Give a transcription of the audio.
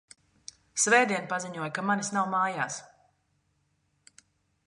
Svētdien paziņoju, ka manis nav mājās!